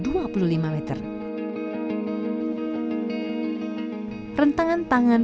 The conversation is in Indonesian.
rentangan tangan patung yesus memberkati dianggap memberi berkat kepada tuhan